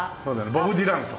ボブ・ディランとか。